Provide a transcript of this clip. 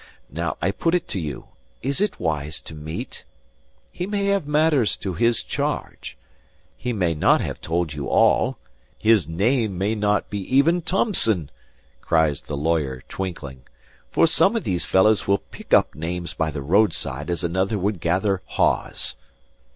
Now I put it to you: is it wise to meet? He may have matters to his charge. He may not have told you all. His name may not be even Thomson!" cries the lawyer, twinkling; "for some of these fellows will pick up names by the roadside as another would gather haws."